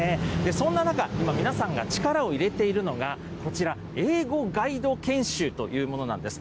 そんな中、今、皆さんが力を入れているのが、こちら、英語ガイド研修というものなんです。